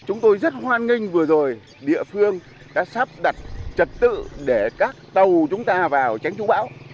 chúng tôi rất hoan nghênh vừa rồi địa phương đã sắp đặt trật tự để các tàu chúng ta vào tránh chú bão